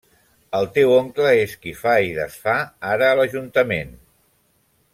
El teu oncle és qui fa i desfà ara a l'Ajuntament.